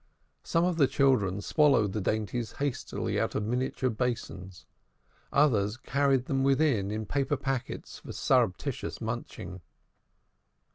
Some of the children swallowed the dainties hastily out of miniature basins, others carried them within in paper packets for surreptitious munching.